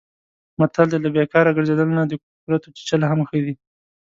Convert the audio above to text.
متل دی: له بیکاره ګرځېدلو نه د کورتو چیچل هم ښه دي.